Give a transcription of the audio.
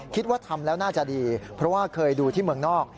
คิดว่าทำแล้วน่าจะดีเพราะว่าเคยดูที่เมืองนอก